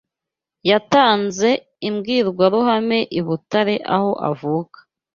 yatanze imbwirwaruhame I Butare aho avuka